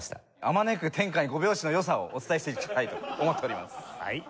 あまねく天下に５拍子の良さをお伝えしていきたいと思っております。